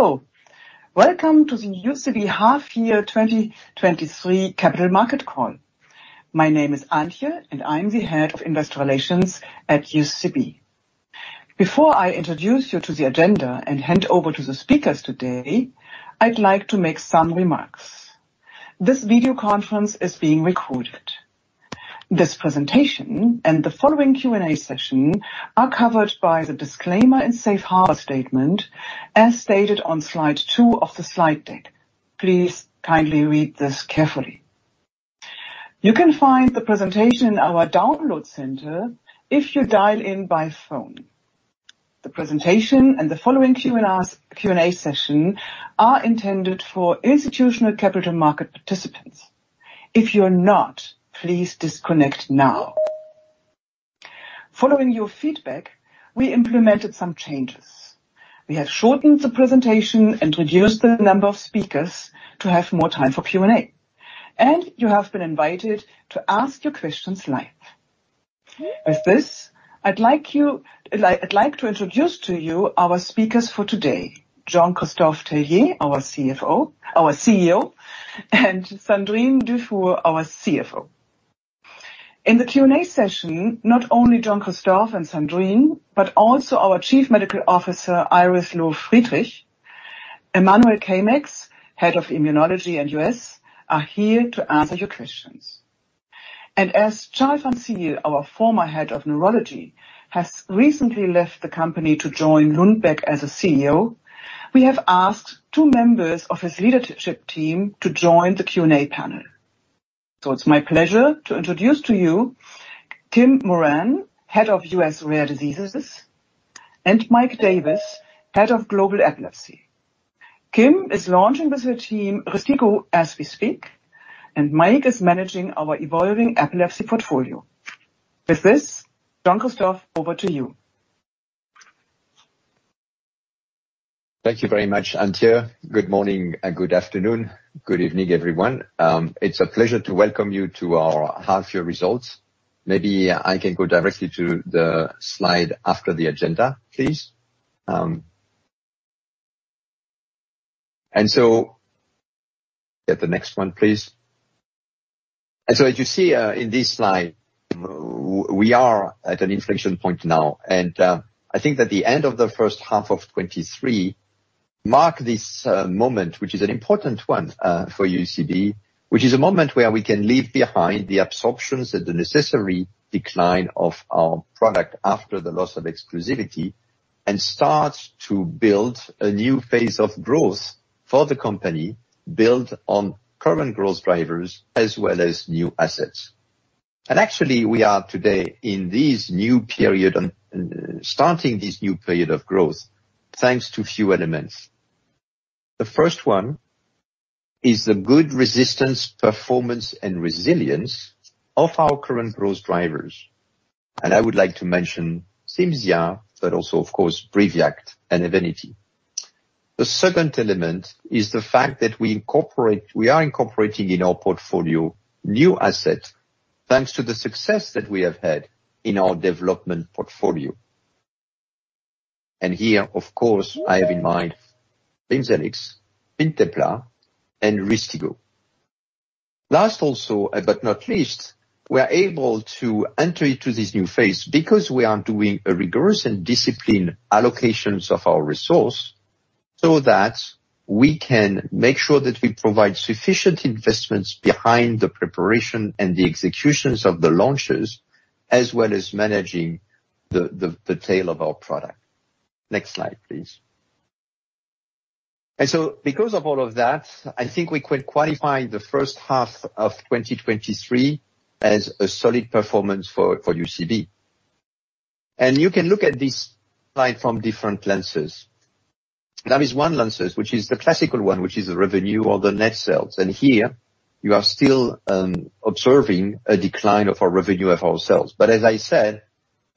Hello! Welcome to the UCB Half Year 2023 Capital Market Call. My name is Antje, and I'm the Head of Investor Relations at UCB. Before I introduce you to the agenda and hand over to the speakers today, I'd like to make some remarks. This video conference is being recorded. This presentation and the following Q&A session are covered by the disclaimer and safe harbor statement as stated on slide 2 of the slide deck. Please kindly read this carefully. You can find the presentation in our download center if you dial in by phone. The presentation and the following Q&A session are intended for institutional capital market participants. If you're not, please disconnect now. Following your feedback, we implemented some changes. We have shortened the presentation and reduced the number of speakers to have more time for Q&A. You have been invited to ask your questions live. With this, I'd like to introduce to you our speakers for today: Jean-Christophe Tellier, our CEO, and Sandrine Dufour, our CFO. In the Q&A session, not only Jean-Christophe and Sandrine, but also our Chief Medical Officer, Iris Löw-Friedrich, Emmanuel Caeymaex, Head of Immunology and US, are here to answer your questions. As Charl van Zyl, our former head of neurology, has recently left the company to join Lundbeck as a CEO, we have asked two members of his leadership team to join the Q&A panel. It's my pleasure to introduce to you Kimberly Moran, Head of U.S. Rare Diseases, and Mike Davis, Head of Global Epilepsy. Kim is launching with her team Rystiggo, as we speak, and Mike is managing our evolving epilepsy portfolio. With this, Jean-Christophe, over to you. Thank you very much, Antje. Good morning and good afternoon, good evening, everyone. It's a pleasure to welcome you to our half-year results. Maybe I can go directly to the slide after the agenda, please. Get the next one, please. As you see, in this slide, we are at an inflection point now, and I think that the end of the first half of 23 mark this moment, which is an important one for UCB. Which is a moment where we can leave behind the absorptions at the necessary decline of our product after the loss of exclusivity, and start to build a new phase of growth for the company, build on current growth drivers, as well as new assets. Actually, we are today in this new period and starting this new period of growth, thanks to a few elements. The first one is the good resistance, performance, and resilience of our current growth drivers. I would like to mention Cimzia, but also, of course, Briviact and Evenity. The second element is the fact that We are incorporating in our portfolio new asset, thanks to the success that we have had in our development portfolio. Here, of course, I have in mind Bimzelx, Fintepla, and Rystiggo. Last also, but not least, we are able to enter into this new phase because we are doing a rigorous and disciplined allocations of our resource, so that we can make sure that we provide sufficient investments behind the preparation and the executions of the launches, as well as managing the tail of our product. Next slide, please. Because of all of that, I think we can qualify the first half of 2023 as a solid performance for UCB. You can look at this slide from different lenses. There is one lenses, which is the classical one, which is the revenue or the net sales, and here you are still observing a decline of our revenue of our sales. As I said,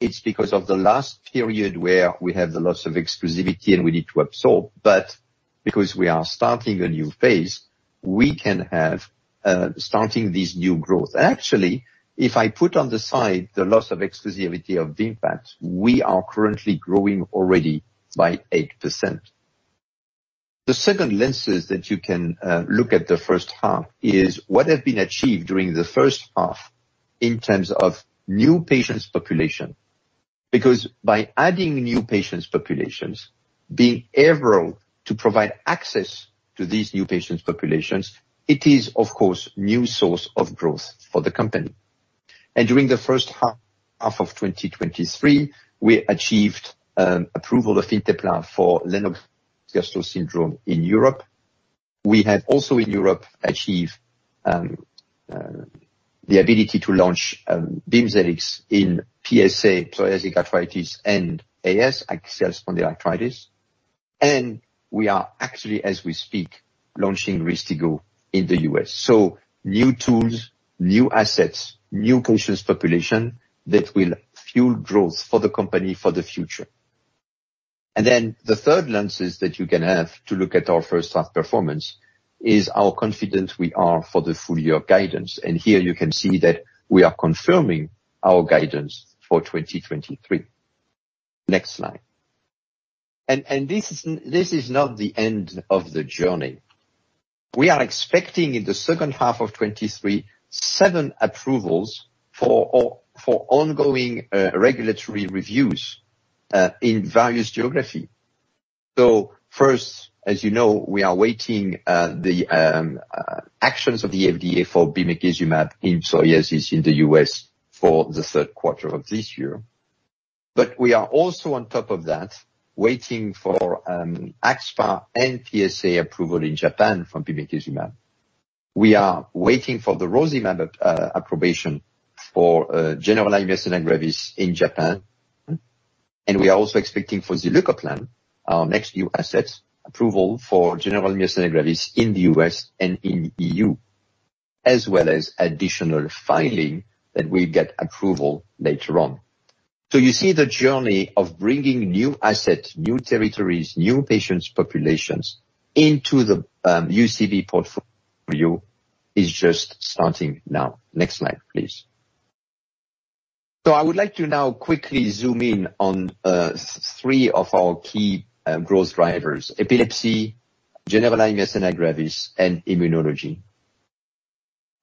it's because of the last period where we had the loss of exclusivity and we need to absorb. Because we are starting a new phase, we can have starting this new growth. Actually, if I put on the side the loss of exclusivity of Vimpat, we are currently growing already by 8%. The second lenses that you can look at the first half is what have been achieved during the first half in terms of new patients population. By adding new patients populations, being able to provide access to these new patients populations, it is, of course, new source of growth for the company. During the first half, half of 2023, we achieved approval of Fintepla for Lennox-Gastaut syndrome in Europe. We have also, in Europe, achieved the ability to launch Bimzelx in PSA, psoriatic arthritis and AS, axial spondyloarthritis. We are actually, as we speak, launching Rystiggo in the U.S. New tools, new assets, new patients population that will fuel growth for the company for the future. The third lenses that you can have to look at our first half performance is how confident we are for the full year guidance. Here you can see that we are confirming our guidance for 2023. Next slide. This is not the end of the journey. We are expecting in the second half of 23, 7 approvals for ongoing regulatory reviews in various geography. First, as you know, we are waiting the actions of the FDA for bimekizumab in psoriasis in the U.S. for the Q3 of this year. We are also, on top of that, waiting for AxSpA and PsA approval in Japan from bimekizumab. We are waiting for the rozanolixizumab approbation for generalized myasthenia gravis in Japan. We are also expecting for zilucoplan, our next new asset, approval for generalized myasthenia gravis in the U.S. and in EU, as well as additional filing that will get approval later on. You see the journey of bringing new assets, new territories, new patients populations into the UCB portfolio is just starting now. Next slide, please. I would like to now quickly zoom in on three of our key growth drivers: epilepsy, generalized myasthenia gravis, and immunology.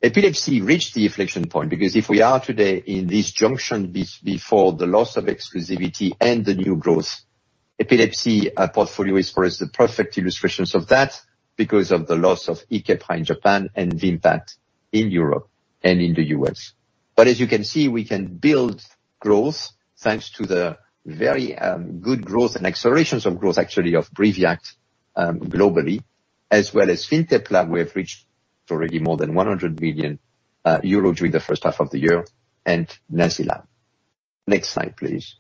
Epilepsy reached the inflection point, because if we are today in this junction before the loss of exclusivity and the new growth, epilepsy portfolio is for us, the perfect illustrations of that, because of the loss of Keppra in Japan and Vimpat in Europe and in the U.S. As you can see, we can build growth thanks to the very good growth and accelerations of growth, actually, of Briviact globally, as well as Fintepla. We have reached already more than 100 billion euros during the first half of the year, and Nayzilam. Next slide, please.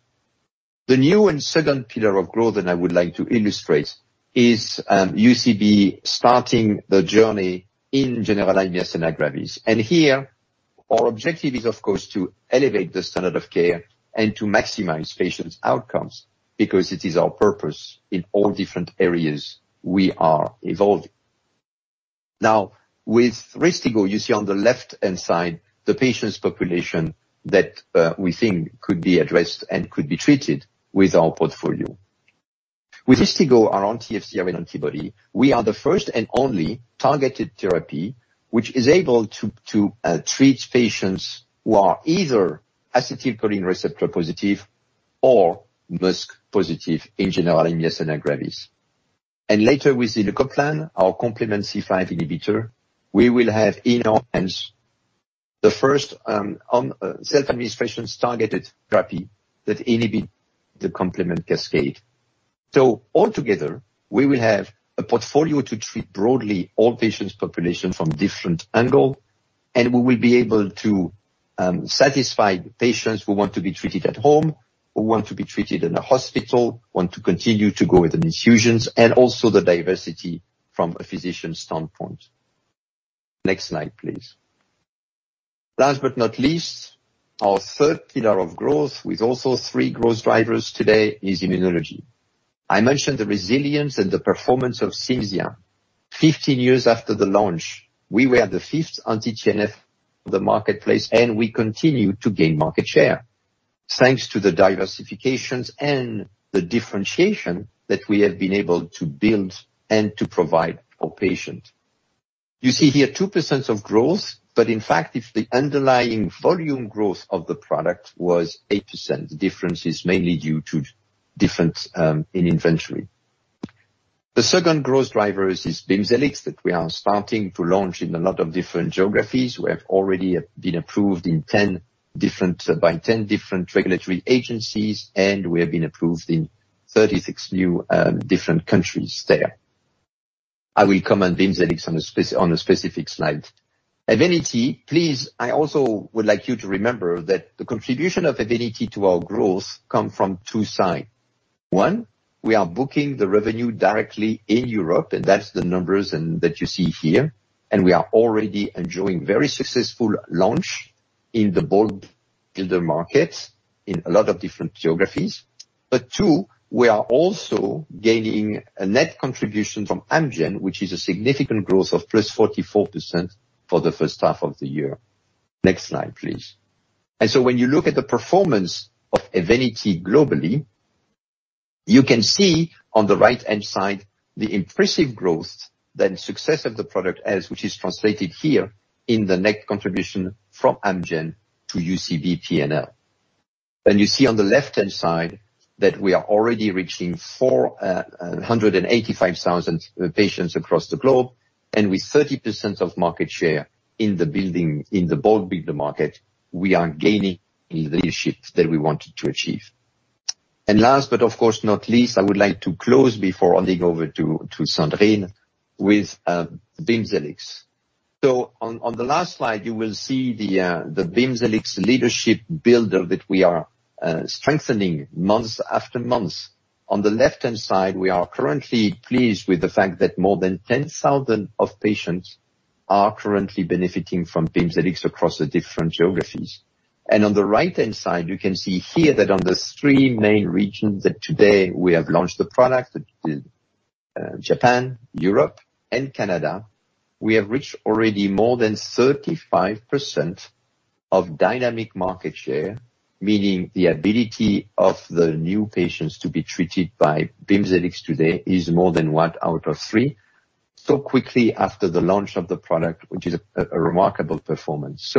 The new and second pillar of growth that I would like to illustrate is UCB starting the journey in generalized myasthenia gravis. Here, our objective is, of course, to elevate the standard of care and to maximize patients' outcomes, because it is our purpose in all different areas we are evolving. Now, with Rystiggo, you see on the left-hand side, the patients' population that we think could be addressed and could be treated with our portfolio. With Rystiggo, our anti-FcRn antibody, we are the first and only targeted therapy, which is able to treat patients who are either acetylcholine receptor positive or MuSK positive in generalized myasthenia gravis. Later, with zilucoplan, our complement C5 inhibitor, we will have in our hands the first self-administration targeted therapy that inhibit the complement cascade. Altogether, we will have a portfolio to treat broadly all patients population from different angle, and we will be able to satisfy patients who want to be treated at home, who want to be treated in a hospital, want to continue to go with infusions, and also the diversity from a physician standpoint. Next slide, please. Last but not least, our 3 pillar of growth, with also 3 growth drivers today, is immunology. I mentioned the resilience and the performance of Cimzia. 15 years after the launch, we were the 5th anti-TNF of the marketplace, and we continue to gain market share, thanks to the diversifications and the differentiation that we have been able to build and to provide our patients. You see here 2% of growth, but in fact, if the underlying volume growth of the product was 8%, the difference is mainly due to difference in inventory. The second growth drivers is Bimzelx, that we are starting to launch in a lot of different geographies. We have already, been approved in 10 different by 10 different regulatory agencies, and we have been approved in 36 new different countries there. I will come on Bimzelx on a specific slide. Evenity, please, I also would like you to remember that the contribution of Evenity to our growth come from two side. One, we are booking the revenue directly in Europe. That's the numbers that you see here. We are already enjoying very successful launch in the bone builder market in a lot of different geographies. Two, we are also gaining a net contribution from Amgen, which is a significant growth of +44% for the first half of the year. Next slide, please. When you look at the performance of Evenity globally, you can see on the right-hand side, the impressive growth, then success of the product as which is translated here in the net contribution from Amgen to UCB PNL. You see on the left-hand side that we are already reaching 485,000 patients across the globe, with 30% of market share in the bone builder market, we are gaining in the leadership that we wanted to achieve. Last, but of course not least, I would like to close before handing over to Sandrine, with Bimzelx. On the last slide, you will see the Bimzelx leadership builder that we are strengthening months after months. On the left-hand side, we are currently pleased with the fact that more than 10,000 patients are currently benefiting from Bimzelx across the different geographies. On the right-hand side, you can see here that on the three main regions that today we have launched the product, Japan, Europe, and Canada, we have reached already more than 35% of dynamic market share, meaning the ability of the new patients to be treated by Bimzelx today is more than 1 out of 3. Quickly after the launch of the product, which is a remarkable performance.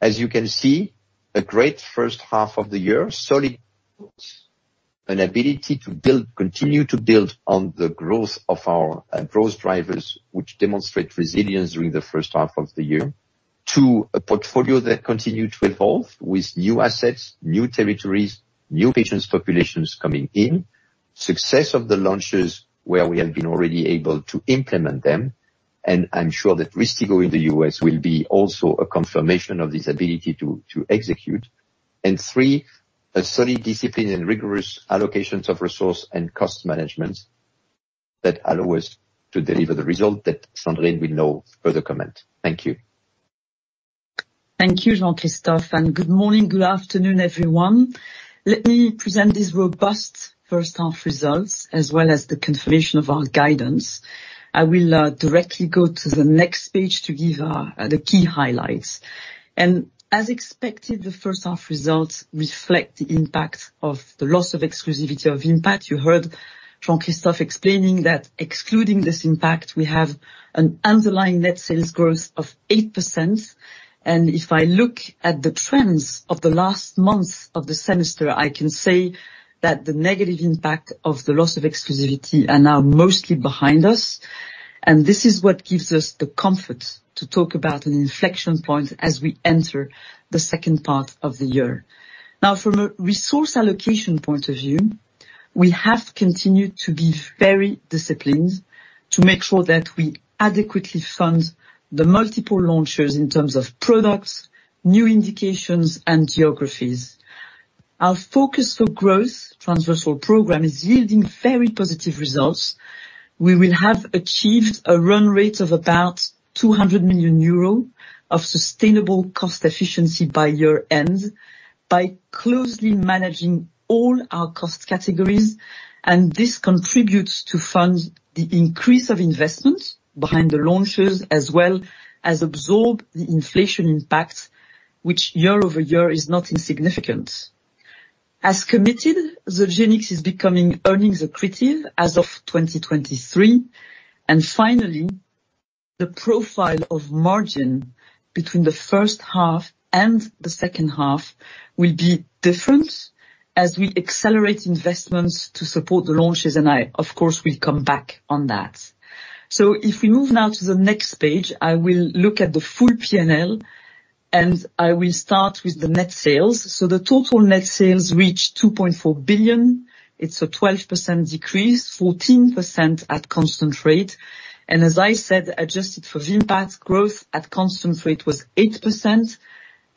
As you can see, a great first half of the year, solid growth, an ability to continue to build on the growth of our growth drivers, which demonstrate resilience during the first half of the year. 2, a portfolio that continued to evolve with new assets, new territories, new patients, populations coming in. Success of the launches, where we have been already able to implement them. I'm sure that Rystiggo in the U.S. will be also a confirmation of this ability to execute. Three, a solid discipline and rigorous allocations of resource and cost management that allow us to deliver the result that Sandrine will now further comment. Thank you. Thank you, Jean-Christophe, good morning, good afternoon, everyone. Let me present these robust first half results, as well as the confirmation of our guidance. I will directly go to the next page to give the key highlights. As expected, the first half results reflect the impact of the loss of exclusivity of Vimpat. You heard Jean-Christophe explaining that excluding this impact, we have an underlying net sales growth of 8%. If I look at the trends of the last month of the semester, I can say that the negative impact of the loss of exclusivity are now mostly behind us, and this is what gives us the comfort to talk about an inflection point as we enter the second part of the year. From a resource allocation point of view, we have continued to be very disciplined to make sure that we adequately fund the multiple launches in terms of products, new indications, and geographies. Our focus for growth transversal program is yielding very positive results. We will have achieved a run rate of about 200 million euro of sustainable cost efficiency by year-end, by closely managing all our cost categories, and this contributes to fund the increase of investments behind the launches, as well as absorb the inflation impact, which year-over-year is not insignificant. As committed, the Zogenix is becoming earnings accretive as of 2023. The profile of margin between the first half and the second half will be different as we accelerate investments to support the launches, and I, of course, will come back on that. If we move now to the next page, I will look at the full P&L, and I will start with the net sales. The total net sales reached 2.4 billion. It's a 12% decrease, 14% at constant rate, and as I said, adjusted for Vimpat, growth at constant rate was 8%,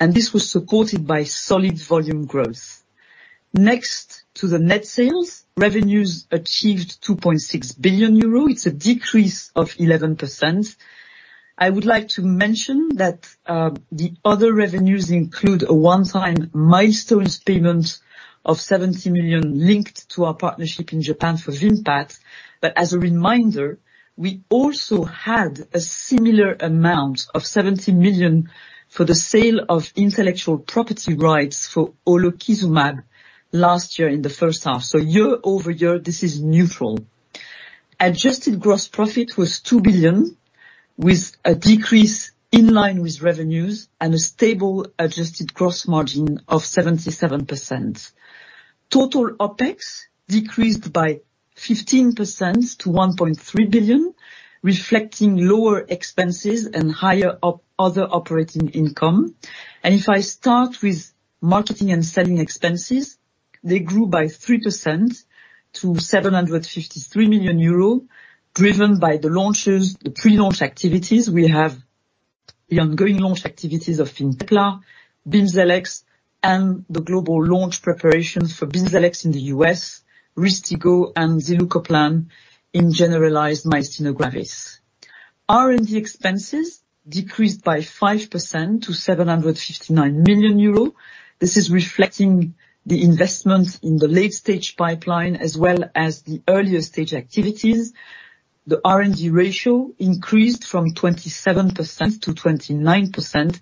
and this was supported by solid volume growth. Next to the net sales, revenues achieved 2.6 billion euro. It's a decrease of 11%. I would like to mention that the other revenues include a one-time milestones payment of 70 million linked to our partnership in Japan for Vimpat. As a reminder, we also had a similar amount of 70 million for the sale of intellectual property rights for Olokizumab last year in the first half. Year-over-year, this is neutral. Adjusted gross profit was 2 billion, with a decrease in line with revenues and a stable adjusted gross margin of 77%. Total OpEx decreased by 15% to 1.3 billion, reflecting lower expenses and higher other operating income. If I start with marketing and selling expenses, they grew by 3% to 753 million euro, driven by the launches, the pre-launch activities. We have the ongoing launch activities of Fintepla, Bimzelx, and the global launch preparations for Bimzelx in the U.S., Rystiggo, and zilucoplan in generalized myasthenia gravis. R&D expenses decreased by 5% to 759 million euro. This is reflecting the investments in the late stage pipeline, as well as the earlier stage activities. The R&D ratio increased from 27%-29%,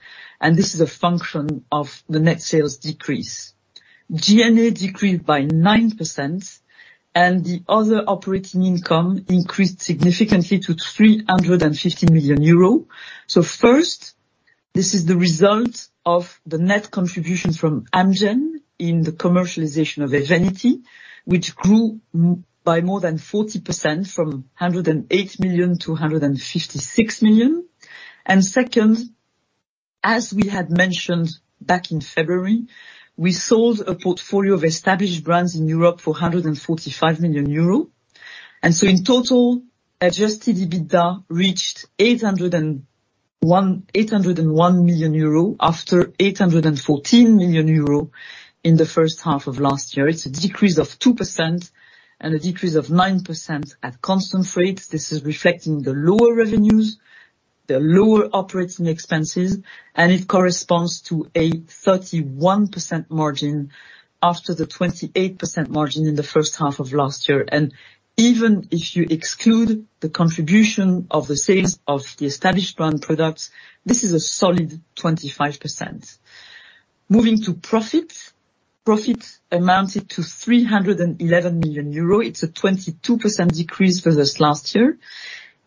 this is a function of the net sales decrease. G&A decreased by 9%, and the other operating income increased significantly to 350 million euro. First, this is the result of the net contribution from Amgen in the commercialization of Evenity, which grew by more than 40%, from 108 million-156 million. Second, as we had mentioned back in February, we sold a portfolio of established brands in Europe for 145 million euro. In total, adjusted EBITDA reached 801 million euro, after 814 million euro in the first half of last year. It's a decrease of 2% and a decrease of 9% at constant rate. This is reflecting the lower revenues, the lower operating expenses and it corresponds to a 31% margin after the 28% margin in the first half of last year. Even if you exclude the contribution of the sales of the established brand products, this is a solid 25%. Moving to profits. Profits amounted to 311 million euro. It's a 22% decrease versus last year.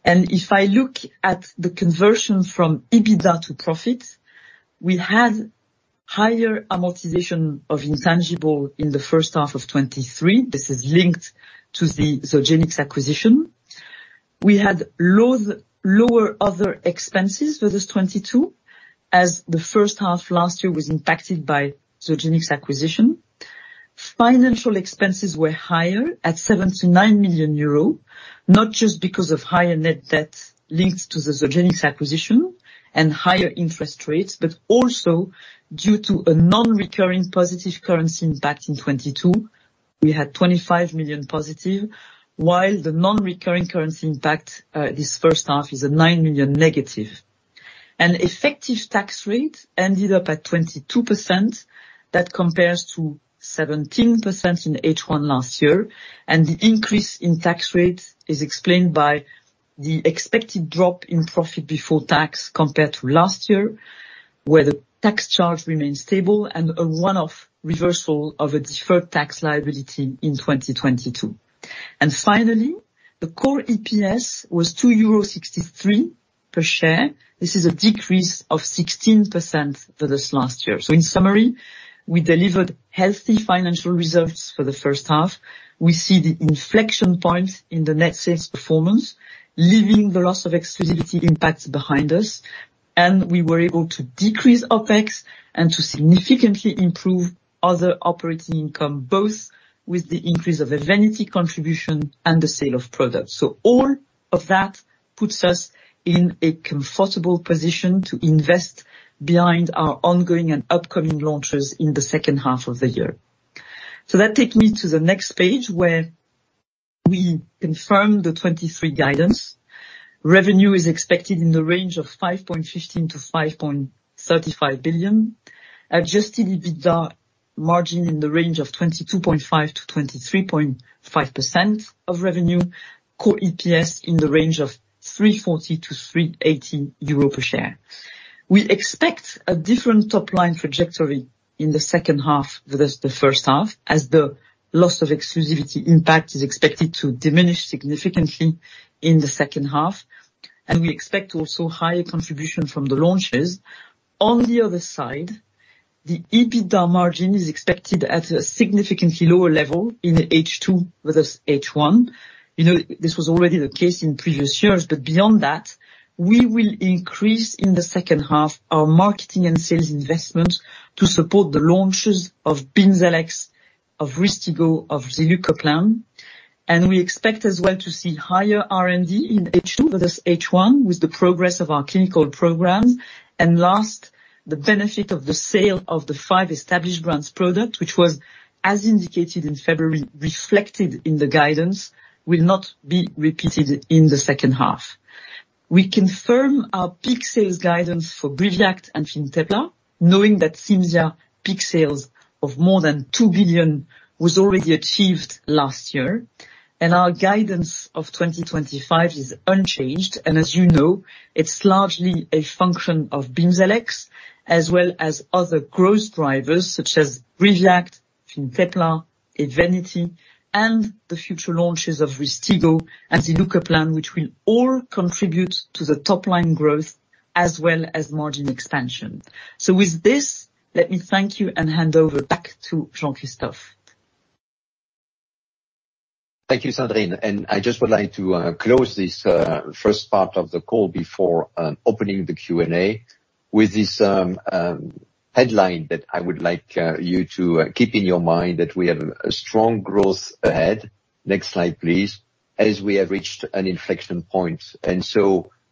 If I look at the conversion from EBITDA to profits, we had higher amortization of intangible in the first half of 2023. This is linked to the Zogenix acquisition. We had lower other expenses versus 2022, as the first half last year was impacted by Zogenix acquisition. Financial expenses were higher at 7 million-9 million euro, not just because of higher net debt linked to the Zogenix acquisition and higher interest rates, but also due to a non-recurring positive currency impact in 2022. We had 25 million positive, while the non-recurring currency impact this first half, is a 9 million negative. An effective tax rate ended up at 22%. That compares to 17% in H1 last year. The increase in tax rate is explained by the expected drop in profit before tax compared to last year, where the tax charge remains stable and a one-off reversal of a deferred tax liability in 2022. Finally, the core EPS was 2.63 euros per share. This is a decrease of 16% versus last year. In summary, we delivered healthy financial reserves for the first half. We see the inflection points in the net sales performance, leaving the loss of exclusivity impacts behind us, and we were able to decrease OpEx and to significantly improve other operating income, both with the increase of Evenity contribution and the sale of products. All of that puts us in a comfortable position to invest behind our ongoing and upcoming launches in the second half of the year. That takes me to the next page, where we confirm the 2023 guidance. Revenue is expected in the range of 5.15 billion-5.35 billion. Adjusted EBITDA margin in the range of 22.5%-23.5% of revenue. Core EPS in the range of 3.40-3.80 euro per share. We expect a different top-line trajectory in the second half versus the first half, as the loss of exclusivity impact is expected to diminish significantly in the second half, and we expect also higher contribution from the launches. The EBITDA margin is expected at a significantly lower level in H2 versus H1. You know, this was already the case in previous years, we will increase, in the second half, our marketing and sales investments to support the launches of Bimzelx, of Rystiggo, of zilucoplan. We expect as well to see higher RMD in H2 versus H1, with the progress of our clinical programs. Last, the benefit of the sale of the five established brands product, which was, as indicated in February, reflected in the guidance, will not be repeated in the second half. We confirm our peak sales guidance for Briviact and Fintepla, knowing that Cimzia peak sales of more than $2 billion was already achieved last year, and our guidance of 2025 is unchanged. As you know, it's largely a function of Bimzelx, as well as other growth drivers such as Briviact, Fintepla, Evenity, and the future launches of Rystiggo and zilucoplan, which will all contribute to the top-line growth as well as margin expansion. With this, let me thank you and hand over back to Jean-Christophe. Thank you, Sandrine. I just would like to close this first part of the call before opening the Q&A. With this headline that I would like you to keep in your mind, that we have a strong growth ahead. Next slide, please. We have reached an inflection point,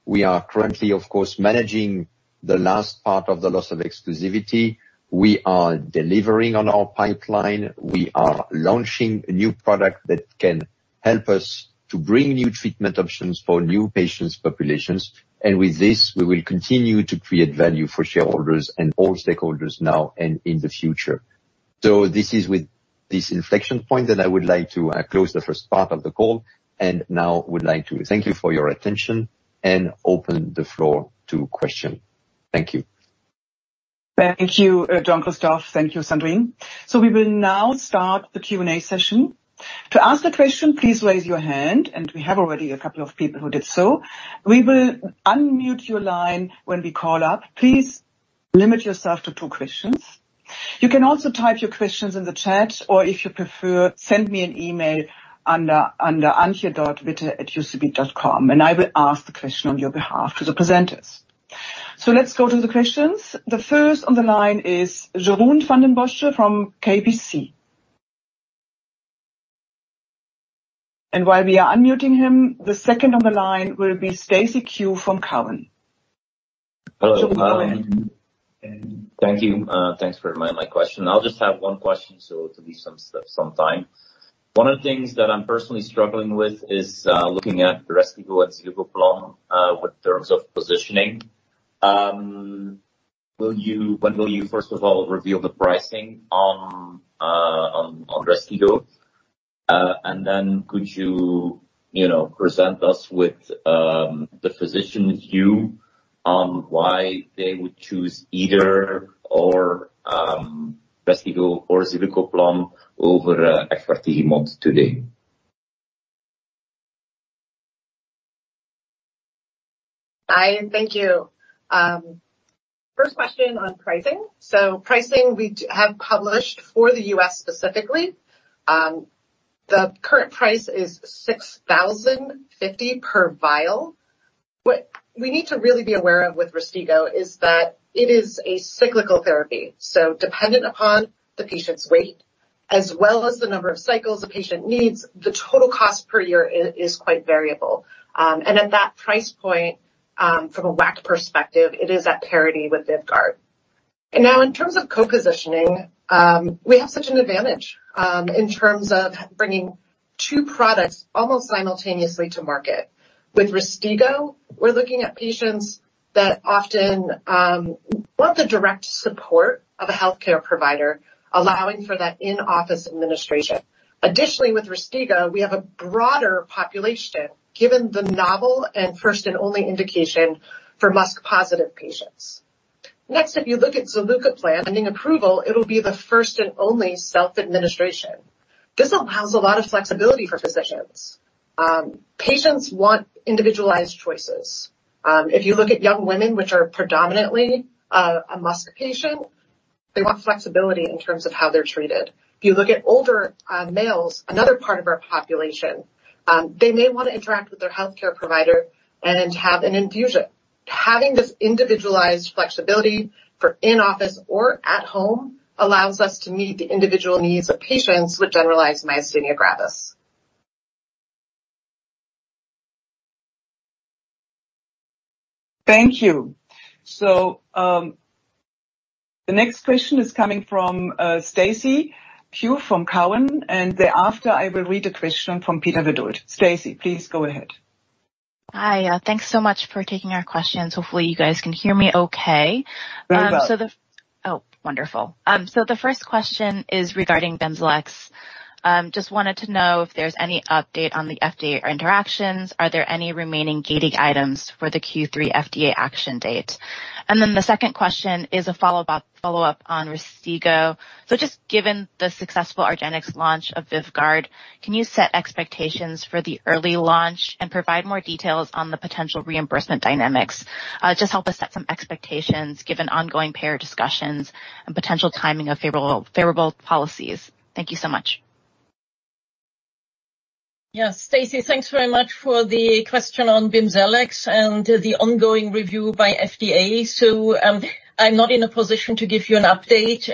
we are currently, of course, managing the last part of the loss of exclusivity. We are delivering on our pipeline. We are launching a new product that can help us to bring new treatment options for new patients populations. With this, we will continue to create value for shareholders and all stakeholders now and in the future. This is with this inflection point that I would like to close the first part of the call, and now I would like to thank you for your attention and open the floor to question. Thank you. Thank you, Jean-Christophe. Thank you, Sandrine. We will now start the Q&A session. To ask a question, please raise your hand, and we have already a couple of people who did so. We will unmute your line when we call up. Please limit yourself to two questions. You can also type your questions in the chat, or if you prefer, send me an email under Antje.Witte@ucb.com, and I will ask the question on your behalf to the presenters. Let's go to the questions. The first on the line is Jeroen Van den Bossche from KBC. While we are unmuting him, the second on the line will be Stacy Ku from Cowen. Hello, thank you. Thanks for my question. I'll just have one question, so to leave some time. One of the things that I'm personally struggling with is looking at Rystiggo and zilucoplan with terms of positioning. When will you, first of all, reveal the pricing on Rystiggo? Then could you, you know, present us with the physician's view on why they would choose either or Rystiggo or zilucoplan over FRT modes today? Hi, thank you. First question on pricing. Pricing, we have published for the U.S. specifically. The current price is $6,050 per vial. What we need to really be aware of with Rystiggo is that it is a cyclical therapy. Dependent upon the patient's weight, as well as the number of cycles a patient needs, the total cost per year is quite variable. At that price point, from a WAC perspective, it is at parity with Vyvgart. Now in terms of co-positioning, we have such an advantage in terms of bringing two products almost simultaneously to market. With Rystiggo, we're looking at patients that often want the direct support of a healthcare provider, allowing for that in-office administration. Additionally, with Rystiggo, we have a broader population, given the novel and first and only indication for MuSK positive patients. If you look at zilucoplan getting approval, it'll be the first and only self-administration. This allows a lot of flexibility for physicians. Patients want individualized choices. If you look at young women, which are predominantly a MuSK patient, they want flexibility in terms of how they're treated. If you look at older males, another part of our population, they may want to interact with their healthcare provider and have an infusion. Having this individualized flexibility for in-office or at home allows us to meet the individual needs of patients with generalized myasthenia gravis. Thank you. The next question is coming from Stacy Ku from Cowen, and thereafter, I will read a question from Peter Welford. Stacy, please go ahead. Hi, thanks so much for taking our questions. Hopefully, you guys can hear me okay. Very well. Oh, wonderful. The first question is regarding Bimzelx. Just wanted to know if there's any update on the FDA interactions. Are there any remaining gating items for the Q3 FDA action date? The second question is a follow-up on Rystiggo. Just given the successful argenx launch of Vyvgart, can you set expectations for the early launch and provide more details on the potential reimbursement dynamics? Just help us set some expectations given ongoing payer discussions and potential timing of favorable policies. Thank you so much. Yes, Stacy, thanks very much for the question on Bimzelx and the ongoing review by FDA. I'm not in a position to give you an update.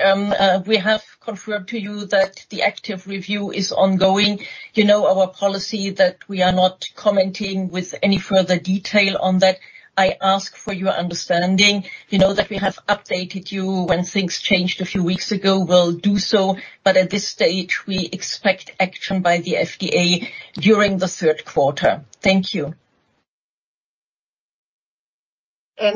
We have confirmed to you that the active review is ongoing. You know, our policy, that we are not commenting with any further detail on that. I ask for your understanding. You know, that we have updated you when things changed a few weeks ago, we'll do so, but at this stage, we expect action by the FDA during the Q3. Thank you.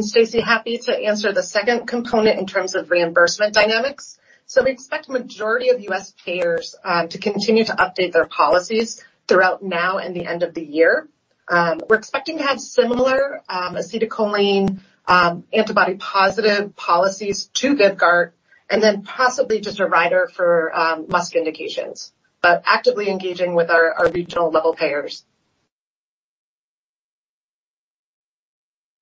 Stacy, happy to answer the second component in terms of reimbursement dynamics. We expect majority of U.S. payers to continue to update their policies throughout now and the end of the year. We're expecting to have similar acetylcholine receptor positive policies to Vyvgart, and then possibly just a rider for MuSK indications, but actively engaging with our regional-level payers.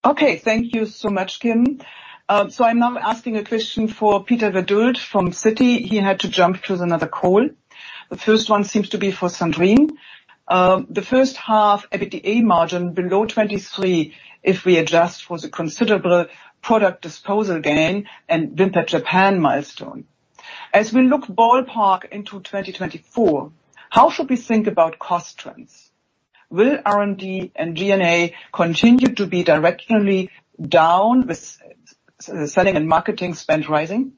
Okay. Thank you so much, Kim. I'm now asking a question for Peter Welford from Citi. He had to jump to another call. The first one seems to be for Sandrine. The first half EBITDA margin below 23, if we adjust for the considerable product disposal gain and Vimpat Japan milestone. As we look ballpark into 2024, how should we think about cost trends? Will R&D and G&A continue to be directionally down with selling and marketing spend rising?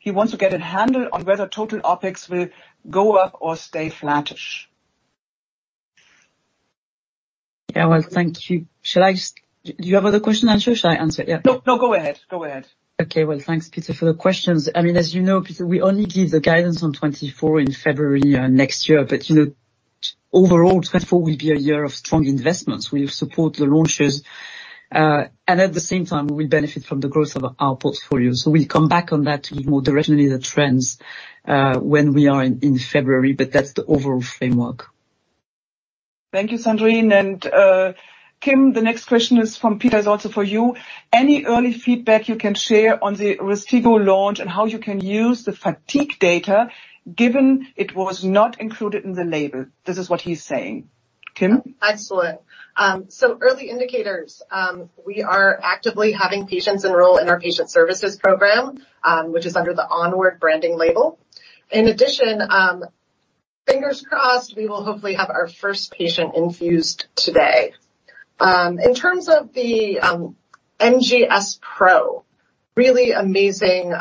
He wants to get a handle on whether total OpEx will go up or stay flattish. Well, thank you. Do you have other question, Andrew? Shall I answer? Yeah. No, no, go ahead. Go ahead. Okay. Well, thanks, Peter, for the questions. I mean, as you know, Peter, we only give the guidance on 2024 in February next year. You know, overall, 2024 will be a year of strong investments. We'll support the launches, and at the same time, we'll benefit from the growth of our portfolio. We'll come back on that with more directionally the trends, when we are in, in February, but that's the overall framework. Thank you, Sandrine. Kim, the next question is from Peter, is also for you. Any early feedback you can share on the Rystiggo launch and how you can use the fatigue data, given it was not included in the label? This is what he's saying. Kim? Excellent. Early indicators, we are actively having patients enroll in our patient services program, which is under the Onward branding label. In addition, Fingers crossed, we will hopefully have our first patient infused today. In terms of the MGS Pro, really amazing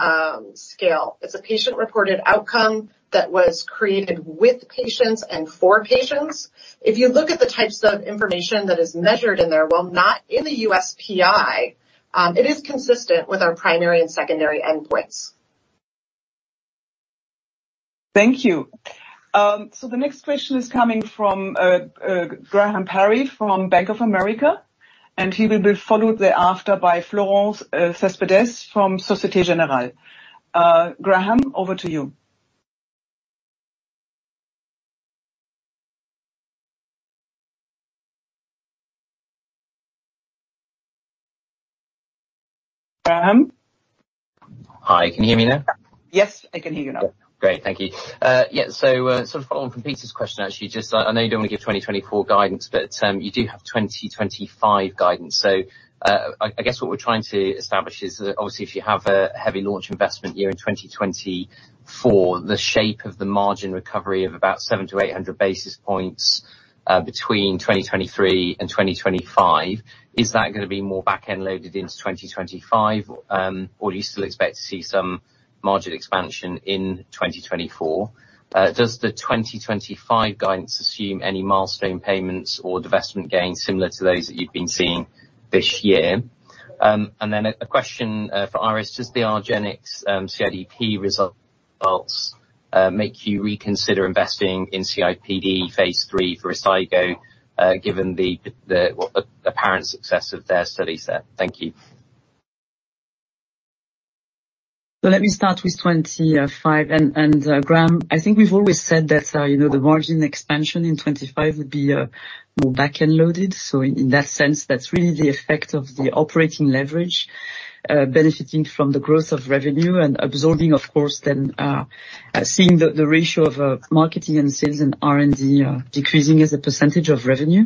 scale. It's a patient-reported outcome that was created with patients and for patients. If you look at the types of information that is measured in there, while not in the USPI, it is consistent with our primary and secondary endpoints. Thank you. The next question is coming from Graham Parry, from Bank of America, and he will be followed thereafter by Florent Cespedes, from Société Générale. Graham, over to you. Graham? Hi, can you hear me now? Yes, I can hear you now. Great. Thank you. Sort of following from Peter's question, actually, just I know you don't want to give 2024 guidance, but you do have 2025 guidance. I guess what we're trying to establish is that obviously, if you have a heavy launch investment year in 2024, the shape of the margin recovery of about 700-800 basis points between 2023 and 2025, is that gonna be more back-end loaded into 2025? Do you still expect to see some margin expansion in 2024? Does the 2025 guidance assume any milestone payments or divestment gains similar to those that you've been seeing this year? A question for Iris: does the argenx CIDP results make you reconsider investing in CIDP phase III Rystiggo given the apparent success of their study set? Thank you. Let me start with 25. Graham, I think we've always said that, you know, the margin expansion in 2025 would be more back-end loaded. In that sense, that's really the effect of the operating leverage, benefiting from the growth of revenue and absorbing, of course, then, seeing the, the ratio of marketing and sales and R&D, decreasing as a % of revenue.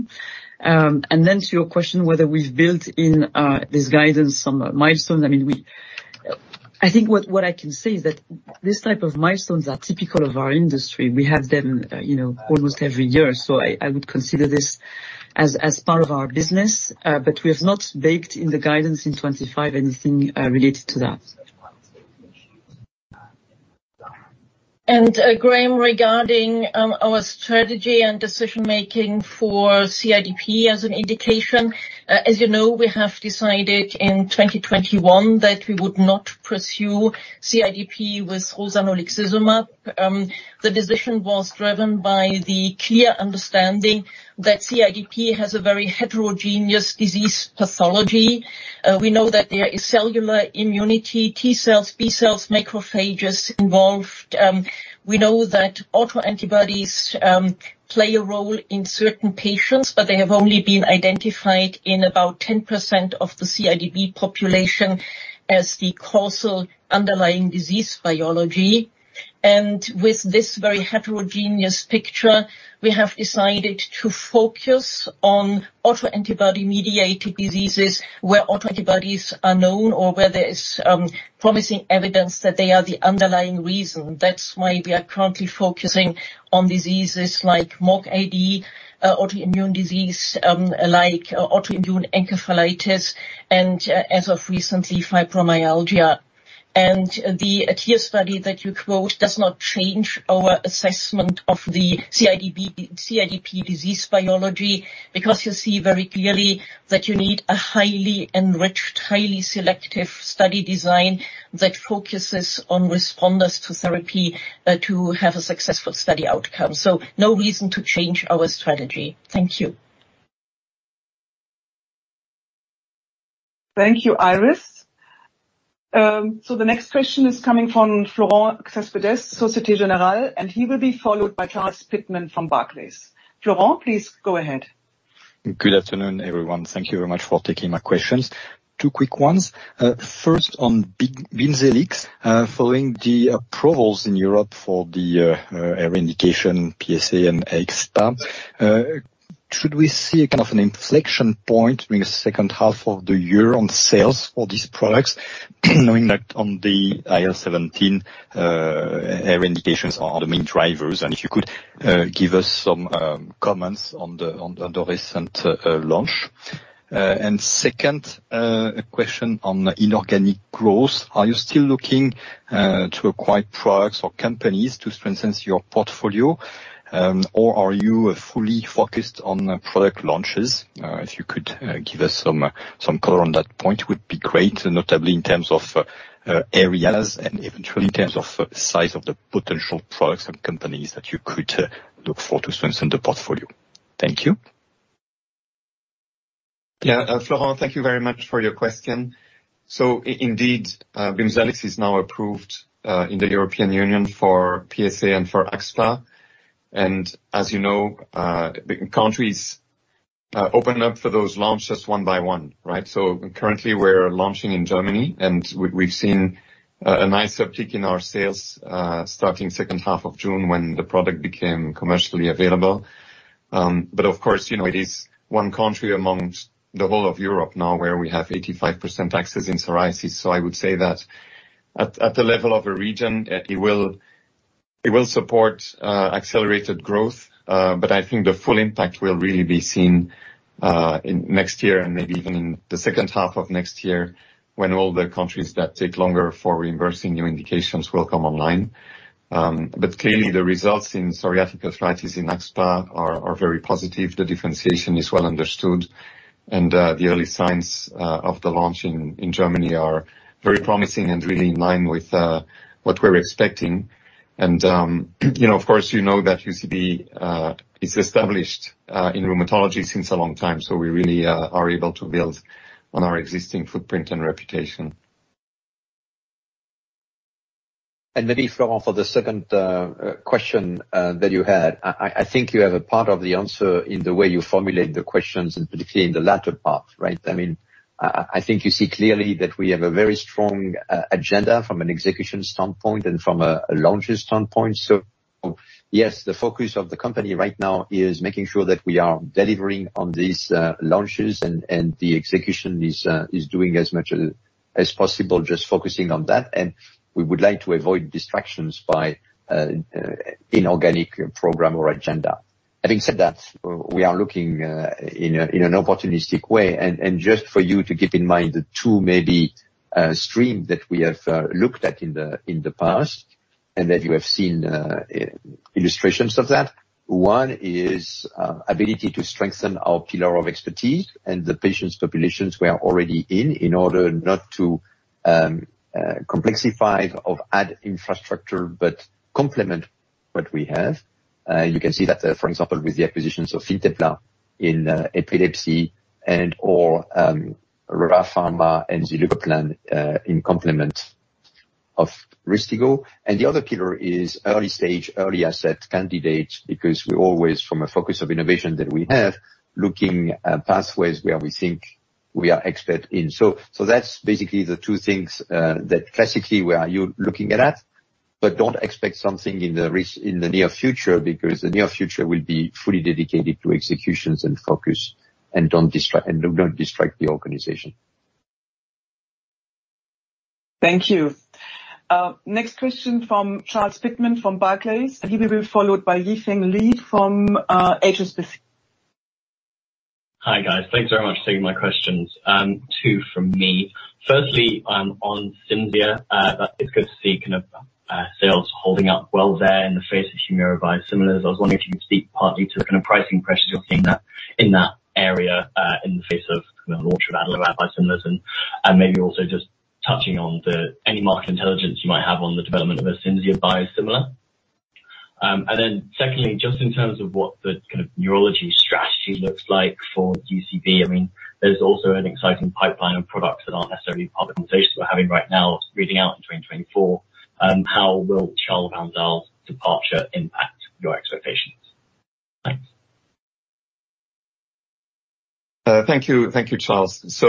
Then to your question, whether we've built in this guidance on milestones, I mean, I think what I can say is that this type of milestones are typical of our industry. We have them, you know, almost every year. I would consider this as part of our business, but we have not baked in the guidance in 2025, anything, related to that. Graham, regarding our strategy and decision-making for CIDP as an indication, as you know, we have decided in 2021 that we would not pursue CIDP with rozanolixizumab. The decision was driven by the clear understanding that CIDP has a very heterogeneous disease pathology. We know that there is cellular immunity, T cells, B cells, macrophages involved. We know that autoantibodies play a role in certain patients, but they have only been identified in about 10% of the CIDP population as the causal underlying disease biology. With this very heterogeneous picture, we have decided to focus on autoantibody-mediated diseases, where autoantibodies are known or where there is promising evidence that they are the underlying reason. That's why we are currently focusing on diseases like MOGAD, autoimmune disease, like autoimmune encephalitis, and as of recently, fibromyalgia. The ADHERE study that you quote does not change our assessment of the CIDP disease biology, because you see very clearly that you need a highly enriched, highly selective study design that focuses on responders to therapy to have a successful study outcome. No reason to change our strategy. Thank you. Thank you, Iris. The next question is coming from Florent Cespedes, Société Générale, and he will be followed by Charles Pitman-King from Barclays. Florent, please go ahead. Good afternoon, everyone. Thank you very much for taking my questions. 2 quick ones. First, on Bimzelx. Following the approvals in Europe for the indication, PSA and AxSpA, should we see a kind of an inflection point during the second half of the year on sales for these products? Knowing that on the IL-17, error indications are the main drivers, and if you could give us some comments on the recent launch. Second, question on inorganic growth. Are you still looking to acquire products or companies to strengthen your portfolio? Or are you fully focused on product launches? If you could give us some color on that point, would be great, and notably in terms of areas and eventually in terms of size of the potential products and companies that you could look for to strengthen the portfolio. Thank you. Yeah, Florent, thank you very much for your question. indeed, Bimzelx is now approved in the European Union for PSA and for AxSpA. as you know, the countries open up for those launches one by one, right? currently, we're launching in Germany, and we've seen a nice uptick in our sales starting second half of June when the product became commercially available. of course, you know, it is one country among the whole of Europe now, where we have 85% access in psoriasis. I would say that at the level of a region, it will support accelerated growth, but I think the full impact will really be seen in next year and maybe even in the second half of next year, when all the countries that take longer for reimbursing new indications will come online. Clearly, the results in psoriatic arthritis in AxSpA are very positive. The differentiation is well understood, the early signs of the launch in Germany are very promising and really in line with what we're expecting. You know, of course, you know that UCB is established in rheumatology since a long time, we really are able to build on our existing footprint and reputation. Maybe, Florent, for the second question that you had. I think you have a part of the answer in the way you formulate the questions, and particularly in the latter part, right. I mean, I think you see clearly that we have a very strong agenda from an execution standpoint and from a launches standpoint. Yes, the focus of the company right now is making sure that we are delivering on these launches, and the execution is doing as much as possible, just focusing on that. We would like to avoid distractions by inorganic program or agenda. Having said that, we are looking in an opportunistic way, and just for you to keep in mind, the two maybe stream that we have looked at in the past, and that you have seen illustrations of that. One is ability to strengthen our pillar of expertise and the patients populations we are already in, in order not to complexify of add infrastructure, but complement what we have. You can see that, for example, with the acquisitions of Fintepla in epilepsy and or Ra Pharma and zilucoplan in complement of Rystiggo. The other pillar is early stage, early asset candidates, because we always, from a focus of innovation that we have, looking at pathways where we think we are expert in. That's basically the two things that classically we are you looking at, but don't expect something in the near future, because the near future will be fully dedicated to executions and focus, and don't distract the organization. Thank you. Next question from Charles Pitman from Barclays. He will be followed by Yifeng Liu from HSBC. Hi, guys. Thanks very much for taking my questions. 2 from me. Firstly, on Cimzia, it's good to see sales holding up well there in the face of Humira biosimilars. I was wondering if you could speak partly to the pricing pressures you're seeing that, in that area, in the face of the launch of Adalimumab biosimilars, and maybe also just touching on any market intelligence you might have on the development of a Cimzia biosimilar. Secondly, just in terms of what the neurology strategy looks like for UCB, there's also an exciting pipeline of products that aren't necessarily public conversations we're having right now, leading out in 2024. How will Charl van Zyl's departure impact your expectations? Thanks. Thank you. Thank you, Charles.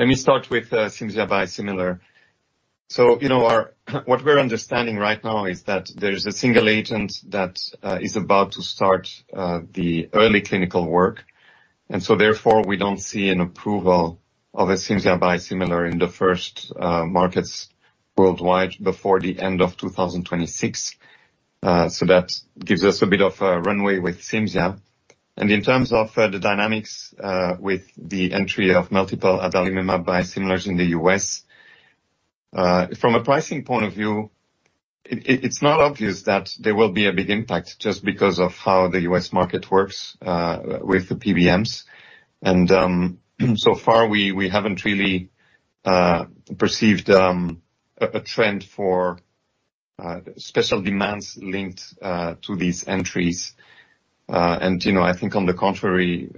Let me start with Cimzia biosimilar. You know, what we're understanding right now is that there is a single agent that is about to start the early clinical work. We don't see an approval of a Cimzia biosimilar in the first markets worldwide before the end of 2026. That gives us a bit of a runway with Cimzia. In terms of the dynamics with the entry of multiple adalimumab biosimilars in the U.S., from a pricing point of view, it's not obvious that there will be a big impact just because of how the U.S. market works with the PBMs. So far we haven't really perceived a trend for special demands linked to these entries. You know, I think on the contrary,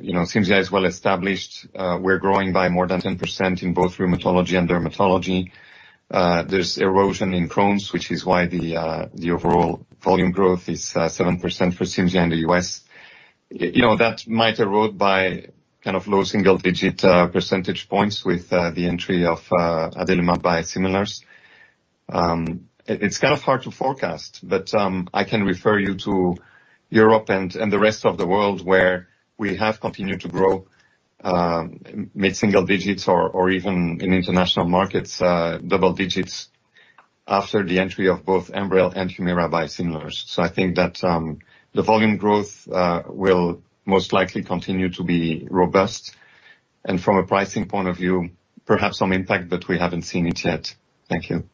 you know, Cimzia is well established. We're growing by more than 10% in both rheumatology and dermatology. There's erosion in Crohn's, which is why the overall volume growth is 7% for Cimzia in the U.S. You know, that might erode by kind of low single digit percentage points with the entry of adalimumab biosimilars. It's kind of hard to forecast, but I can refer you to Europe and the rest of the world, where we have continued to grow, mid-single digits, or even in international markets, double digits, after the entry of both Enbrel and Humira biosimilars. I think that the volume growth will most likely continue to be robust, and from a pricing point of view, perhaps some impact, but we haven't seen it yet. Thank you.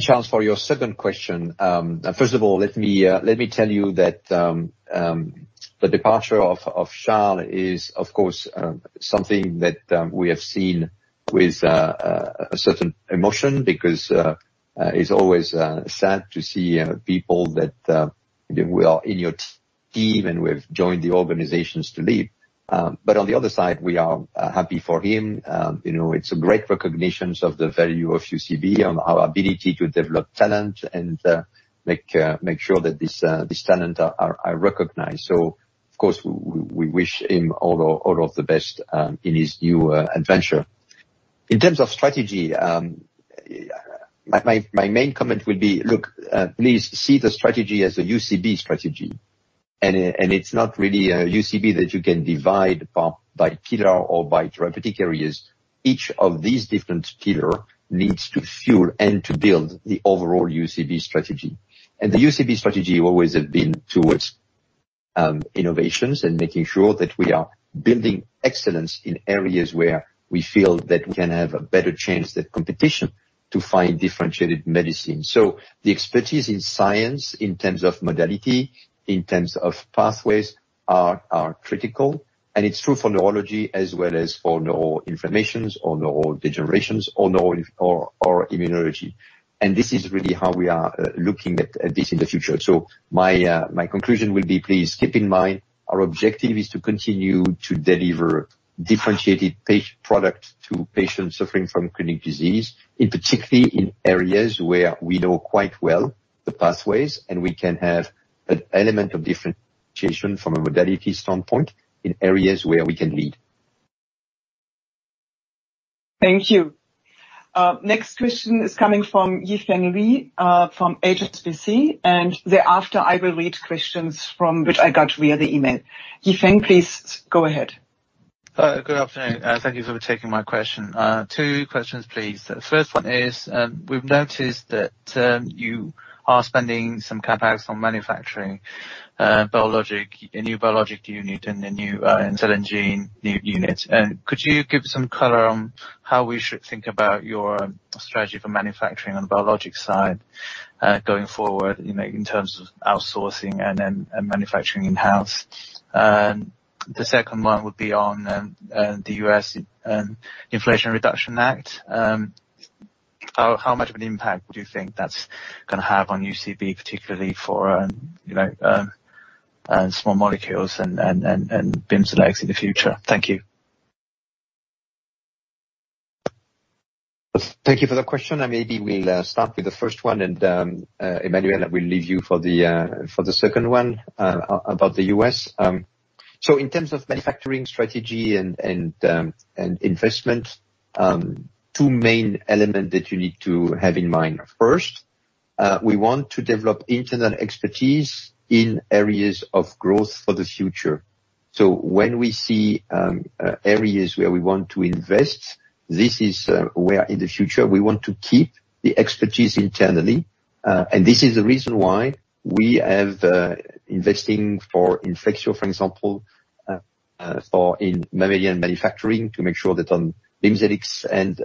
Charles, for your second question, first of all, let me tell you that, the departure of Charl is, of course, something that we have seen with a certain emotion, because it's always sad to see people who are in your team and who have joined the organizations to leave. On the other side, we are happy for him. You know, it's a great recognition of the value of UCB and our ability to develop talent and make sure that this talent are recognized. Of course, we wish him all of the best in his new adventure. In terms of strategy, my main comment would be: look, please see the strategy as a UCB strategy. It's not really a UCB that you can divide by pillar or by therapeutic areas. Each of these different pillar needs to fuel and to build the overall UCB strategy. The UCB strategy always has been towards innovations and making sure that we are building excellence in areas where we feel that we can have a better chance than competition to find differentiated medicine. The expertise in science, in terms of modality, in terms of pathways, are critical, and it's true for neurology as well as for neuroinflammations, or neurodegenerations, or immunology. This is really how we are looking at this in the future. My conclusion will be, please keep in mind, our objective is to continue to deliver differentiated patient product to patients suffering from chronic disease, in particularly in areas where we know quite well the pathways, and we can have an element of differentiation from a modality standpoint in areas where we can lead. Thank you. Next question is coming from Yifeng Liu, from HSBC, and thereafter, I will read questions from which I got via the email. Yifeng, please go ahead. Good afternoon. Thank you for taking my question. Two questions, please. The first one is, we've noticed that you are spending some CapEx on manufacturing, biologic, a new biologic unit and a new cell and gene unit. Could you give some color on how we should think about your strategy for manufacturing on the biologic side, going forward, you know, in terms of outsourcing and manufacturing in-house? The second one would be on the U.S. Inflation Reduction Act. How much of an impact do you think that's gonna have on UCB, particularly for, you know, small molecules and Bimzelx in the future? Thank you. Thank you for the question. Maybe we'll start with the first one, and Emmanuel, I will leave you for the second one, about the U.S. In terms of manufacturing strategy and investment, two main elements that you need to have in mind. First, we want to develop internal expertise in areas of growth for the future. When we see areas where we want to invest, this is where in the future we want to keep the expertise internally. This is the reason why we have investing for infection, for example, for in mammalian manufacturing, to make sure that on Bimzelx and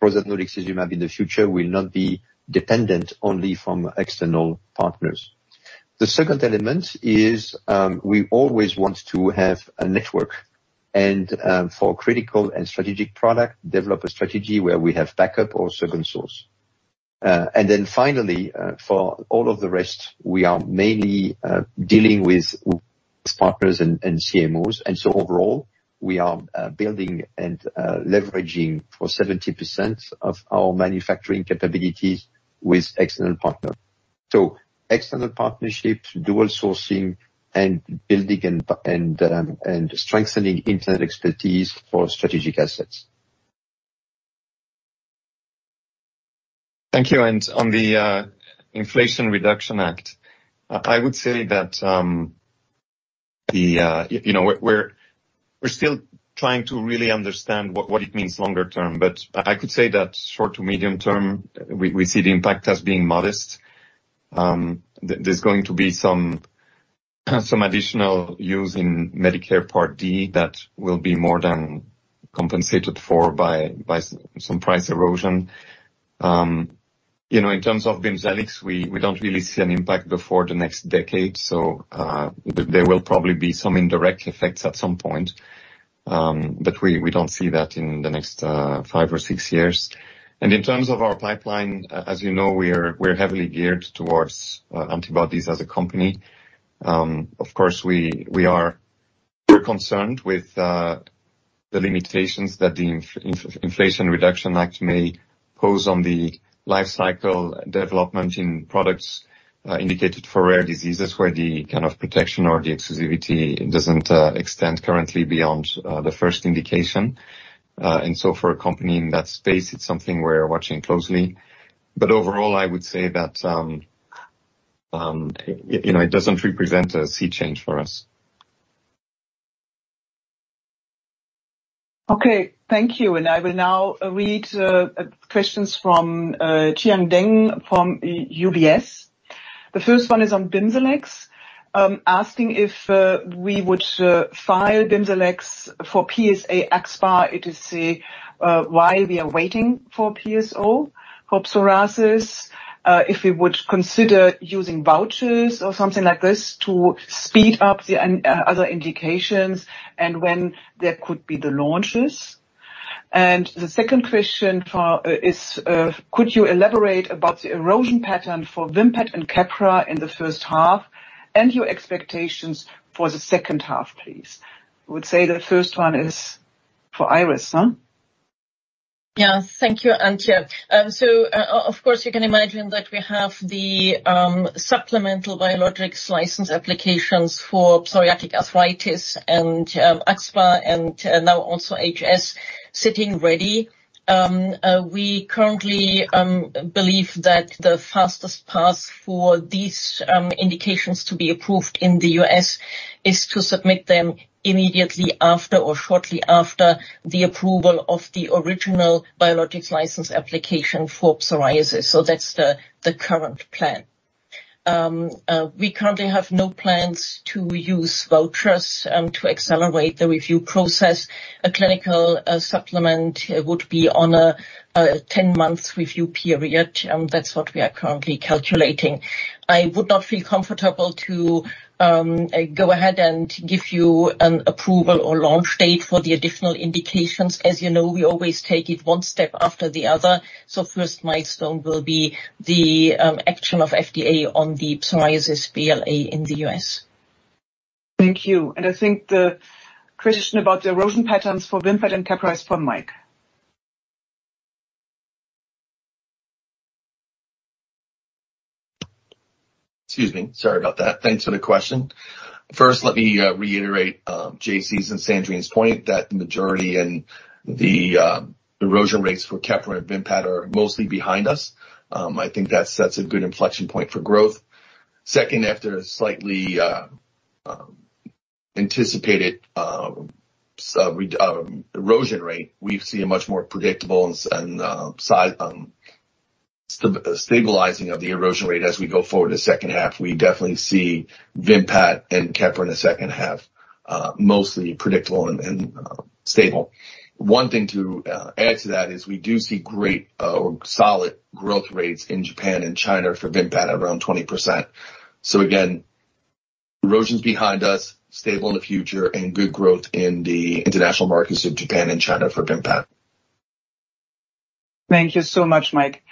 rozanolixizumab in the future will not be dependent only from external partners. The second element is, we always want to have a network, for critical and strategic product, develop a strategy where we have backup or second source. Finally, for all of the rest, we are mainly dealing with partners and CMOs. Overall, we are building and leveraging for 70% of our manufacturing capabilities with external partners. External partnerships, dual sourcing and building and strengthening internal expertise for strategic assets. Thank you. On the Inflation Reduction Act, I would say that, you know, we're still trying to really understand what it means longer term, but I could say that short to medium term, we see the impact as being modest. There's going to be some additional use in Medicare Part D that will be more than compensated for by some price erosion. You know, in terms of Bimzelx, we don't really see an impact before the next decade, so there will probably be some indirect effects at some point. But we don't see that in the next five or six years. In terms of our pipeline, as you know, we're heavily geared towards antibodies as a company. Of course, we, we are concerned with the limitations that the Inflation Reduction Act may pose on the life cycle development in products indicated for rare diseases, where the kind of protection or the exclusivity doesn't extend currently beyond the first indication. For a company in that space, it's something we're watching closely. Overall, I would say that, you know, it doesn't represent a sea change for us. Okay, thank you. I will now read questions from Xian Deng from UBS. The first one is on Bimzelx, asking if we would file Bimzelx for PSA AxSpA to see why we are waiting for PSO, for psoriasis, if we would consider using vouchers or something like this to speed up the other indications and when there could be the launches. The second question is: Could you elaborate about the erosion pattern for Vimpat and Keppra in the first half, and your expectations for the second half, please? I would say the first one is for Iris, huh? Yeah, thank you, Antje. Of course, you can imagine that we have the supplemental Biologics License Applications for psoriatic arthritis and AxSpA, and now also HS, sitting ready. We currently believe that the fastest path for these indications to be approved in the U.S is to submit them immediately after or shortly after the approval of the original Biologics License Application for psoriasis. That's the current plan. We currently have no plans to use vouchers to accelerate the review process. A clinical supplement would be on a 10-month review period, that's what we are currently calculating. I would not feel comfortable to go ahead and give you an approval or launch date for the additional indications. As you know, we always take it one step after the other. First milestone will be the action of FDA on the psoriasis BLA in the U.S. Thank you. I think the question about the erosion patterns for Vimpat and Keppra is from Mike. Excuse me. Sorry about that. Thanks for the question. First, let me reiterate J.C.'s and Sandrine's point, that the majority and the erosion rates for Keppra and Vimpat are mostly behind us. I think that's a good inflection point for growth. Second, after a slightly anticipated erosion rate, we see a much more predictable and stabilizing of the erosion rate as we go forward to second half. We definitely see Vimpat and Keppra in the second half, mostly predictable and stable. One thing to add to that is we do see great or solid growth rates in Japan and China for Vimpat, around 20%. Again, erosion's behind us, stable in the future, and good growth in the international markets of Japan and China for Vimpat. Thank you so much, Mike.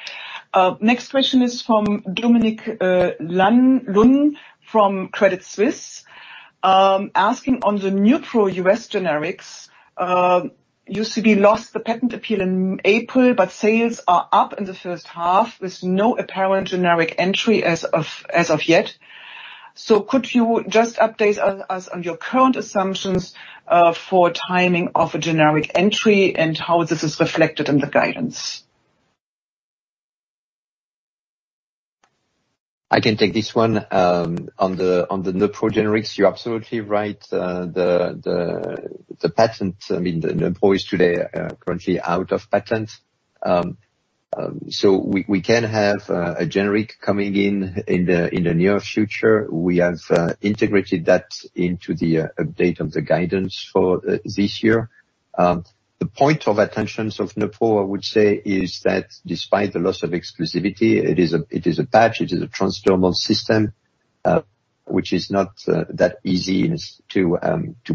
Next question is from Dominic Lunn from Credit Suisse. Asking on the Neupro U.S. generics, UCB lost the patent appeal in April, but sales are up in the first half with no apparent generic entry as of yet. Could you just update us on your current assumptions for timing of a generic entry and how this is reflected in the guidance? I can take this one. On the Neupro generics, you're absolutely right. The patent, I mean, the Neupro today are currently out of patent. We can have a generic coming in the near future. We have integrated that into the update of the guidance for this year. The point of attention of Neupro, I would say, is that despite the loss of exclusivity, it is a patch, it is a transdermal system, which is not that easy is to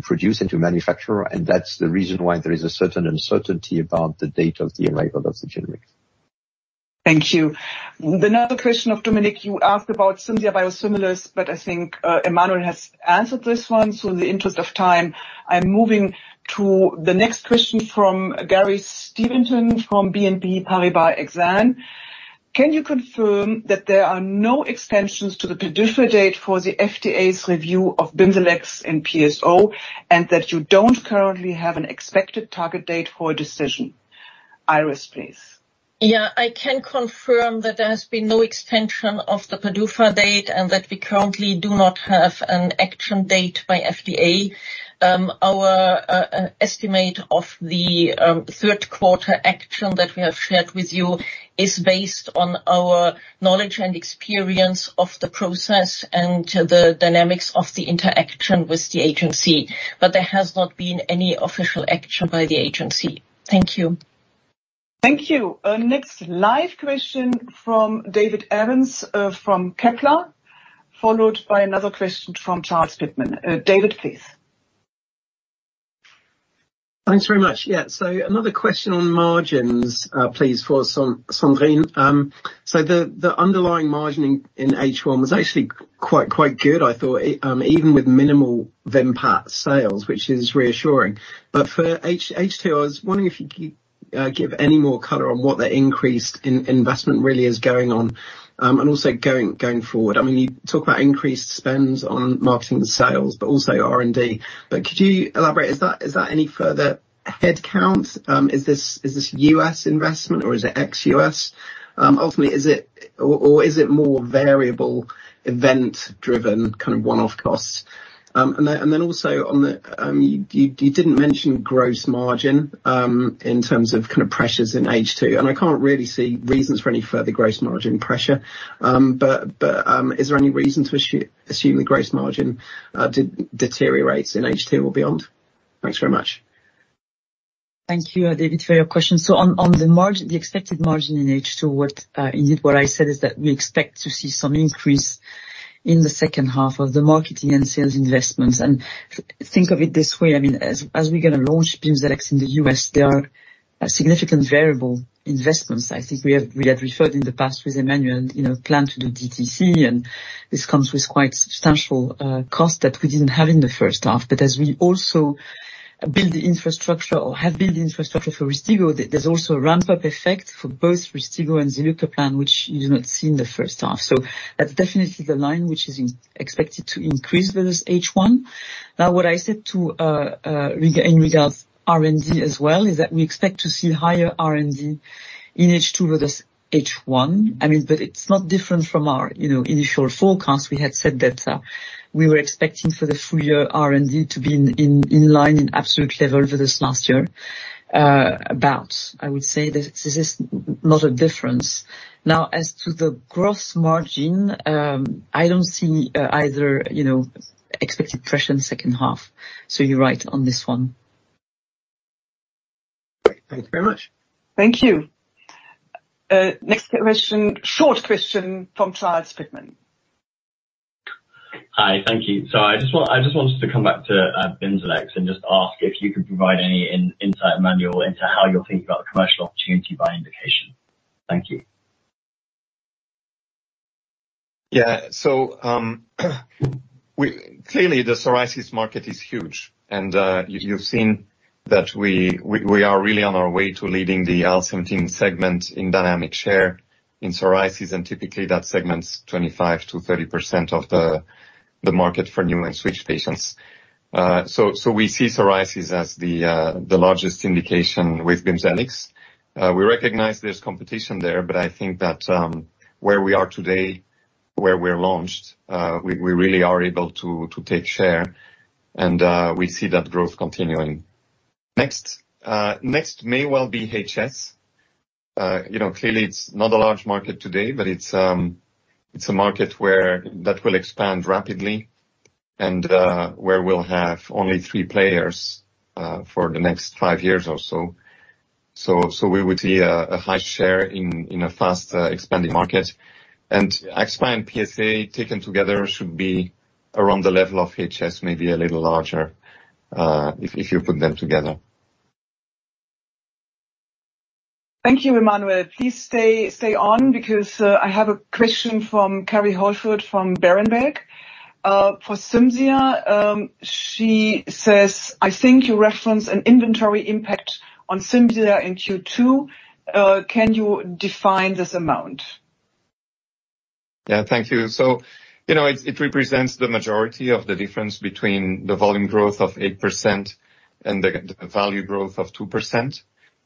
produce and to manufacture. That's the reason why there is a certain uncertainty about the date of the arrival of the generic. Thank you. Another question of Dominic, you asked about Cimzia biosimilars. I think Emmanuel has answered this one. In the interest of time, I'm moving to the next question from Gary Steventon, from BNP Paribas Exane. Can you confirm that there are no extensions to the PDUFA date for the FDA's review of Bimzelx and PSO, and that you don't currently have an expected target date for a decision? Iris, please. Yeah, I can confirm that there has been no extension of the PDUFA date, and that we currently do not have an action date by FDA. Our estimate of the Q3 action that we have shared with you is based on our knowledge and experience of the process and the dynamics of the interaction with the agency. There has not been any official action by the agency. Thank you. Thank you. Next live question from David Evans, from Kepler, followed by another question from Charles Pitman. David, please. Thanks very much. Yeah, another question on margins, please, for Sandrine. The underlying margin in H1 was actually quite good, I thought. Even with minimal Vimpat sales, which is reassuring. For H2, I was wondering if you could give any more color on what the increased in investment really is going on, and also going forward. I mean, you talk about increased spends on marketing and sales, but also R&D. Could you elaborate, is that any further headcount? Is this U.S. investment or is it ex-U.S? Ultimately, is it or is it more variable event-driven, kind of one-off costs? Also on the, you didn't mention gross margin, in terms of kind of pressures in H2, and I can't really see reasons for any further gross margin pressure. Is there any reason to assume the gross margin to deteriorate in H2 or beyond? Thanks very much. Thank you, David, for your question. On the margin, the expected margin in H2, what indeed, what I said is that we expect to see some increase in the second half of the marketing and sales investments. Think of it this way, I mean, as we're going to launch Bimzelx in the U.S., there are a significant variable investments. I think we have referred in the past with Emmanuel, and, you know, plan to do DTC, and this comes with quite substantial cost that we didn't have in the first half. As we also build the infrastructure or have built the infrastructure for Rystiggo, there's also a ramp-up effect for both Rystiggo and zilucoplan, which you do not see in the first half. That's definitely the line which is expected to increase versus H1. Now, what I said to in regards R&D as well, is that we expect to see higher R&D in H2 versus H1. I mean, it's not different from our, you know, initial forecast. We had said that we were expecting for the full year R&D to be in line, in absolute level versus last year. I would say that this is not a difference. Now, as to the gross margin, I don't see either, you know, expected pressure in second half, you're right on this one. Thank you very much. Thank you. Next question. Short question from Charles Pitman-King. Hi, thank you. I just wanted to come back to Bimzelx, and just ask if you could provide any insight, Emmanuel, into how you're thinking about the commercial opportunity by indication. Thank you. Clearly, the psoriasis market is huge, and you've seen that we are really on our way to leading the IL-17 segment in dynamic share in psoriasis, and typically, that segment's 25%-30% of the market for new and switch patients. We see psoriasis as the largest indication with Bimzelx. We recognize there's competition there, but I think that where we are today, where we're launched, we really are able to take share, and we see that growth continuing. Next may well be HS. You know, clearly it's not a large market today, but it's a market where that will expand rapidly and where we'll have only three players for the next five years or so. We would see a high share in a fast expanding market. AxSpA and PSA, taken together, should be around the level of HS, maybe a little larger if you put them together. Thank you, Emmanuel. Please stay on, because, I have a question from Kerry Holford from Berenberg. For Cimzia. She says, "I think you referenced an inventory impact on Cimzia in Q2. Can you define this amount? Yeah. Thank you. You know, it represents the majority of the difference between the volume growth of 8% and the value growth of 2%.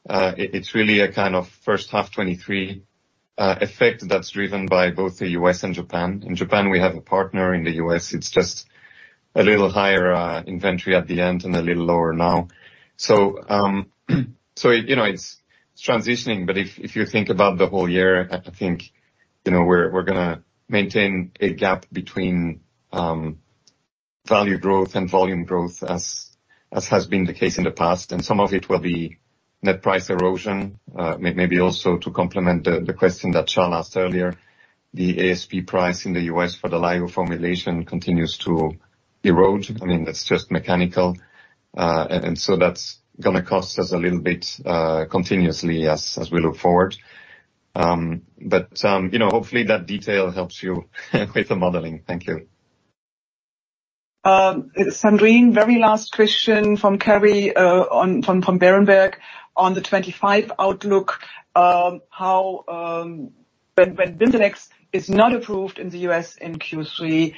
It's really a, kind of, first half 2023 effect that's driven by both the U.S. and Japan. In Japan, we have a partner. In the U.S., it's just a little higher inventory at the end and a little lower now. You know, it's transitioning, but if you think about the whole year, I think, you know, we're gonna maintain a gap between value growth and volume growth, as has been the case in the past, and some of it will be net price erosion. Maybe also to complement the question that Charles asked earlier, the ASP price in the U.S. for the lyo formulation continues to erode. I mean, that's just mechanical. That's gonna cost us a little bit continuously as we look forward. You know, hopefully, that detail helps you with the modeling. Thank you. Sandrine, very last question from Kerry from Berenberg. On the 2025 outlook, when Bimzelx is not approved in the U.S. in Q3,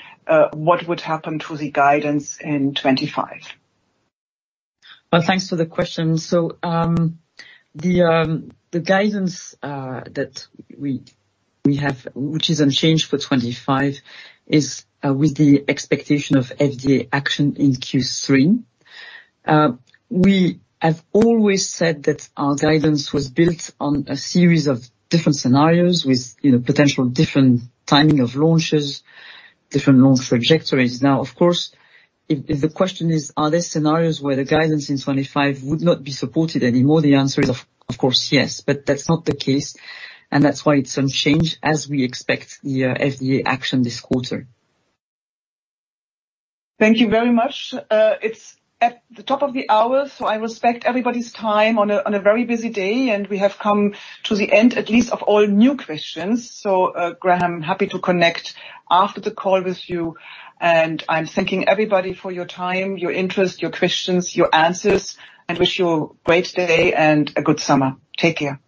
what would happen to the guidance in 2025? Thanks for the question. The guidance that we have, which is unchanged for 2025, is with the expectation of FDA action in Q3. We have always said that our guidance was built on a series of different scenarios with, you know, potential different timing of launches, different launch trajectories. Of course, if the question is, are there scenarios where the guidance in 2025 would not be supported anymore? The answer is, of course, yes, but that's not the case, and that's why it's unchanged as we expect the FDA action this quarter. Thank you very much. It's at the top of the hour. I respect everybody's time on a very busy day, and we have come to the end, at least of all new questions. Graham, happy to connect after the call with you, and I'm thanking everybody for your time, your interest, your questions, your answers, and wish you a great day and a good summer. Take care.